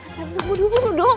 sam tunggu dulu dong